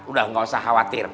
udah gak usah khawatir